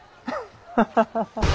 ハハハハ！